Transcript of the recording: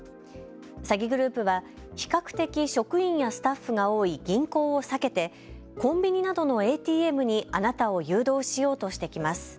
詐欺グループは比較的、職員やスタッフが多い銀行を避けてコンビニなどのＡＴＭにあなたを誘導しようとしてきます。